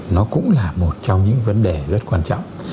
nó cũng là một trong những vấn đề rất quan trọng